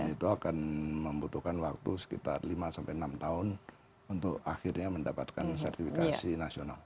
itu akan membutuhkan waktu sekitar lima sampai enam tahun untuk akhirnya mendapatkan sertifikasi nasional